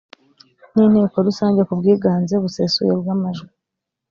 n inteko rusange kubwiganze busesuye bw amajwi